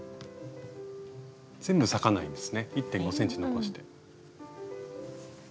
全部裂かないんですね１．５ｃｍ残して。